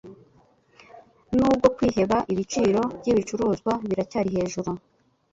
Nubwo kwiheba ibiciro byibicuruzwa biracyari hejuru